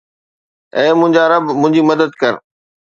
اي منهنجا رب، منهنجي مدد ڪر